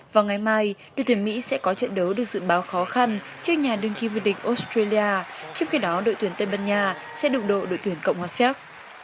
vào ngày mai đội tuyển mỹ sẽ có trận đấu được dự báo khó khăn trước nhà đương kim vượt địch australia trước khi đó đội tuyển tây ban nha sẽ đụng độ đội tuyển cộng hòa xếp